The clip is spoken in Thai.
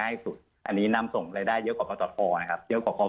เยอะกว่าพอครับ